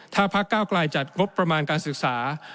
ถ้าพักเก้าไกลจัดงบประมาณการศึกษา